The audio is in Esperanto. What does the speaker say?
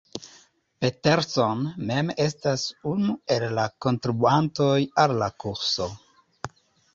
Peterson mem estas unu el la kontribuantoj al la kurso.